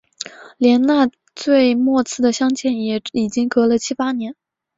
连那最末次的相见也已经隔了七八年